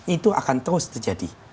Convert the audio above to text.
itu akan terus terjadi